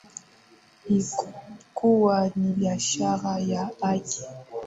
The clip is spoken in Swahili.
inkuwa ni biashara ya haki